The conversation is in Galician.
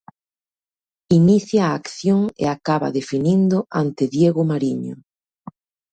Inicia a acción e acaba definindo ante Diego Mariño.